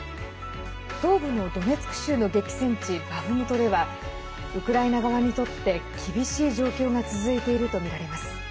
東部のドネツク州の激戦地バフムトではウクライナ側にとって厳しい状況が続いているとみられます。